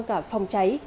và phòng cháy